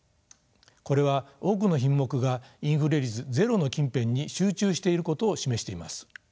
これは多くの品目がインフレ率ゼロの近辺に集中していることを示しています。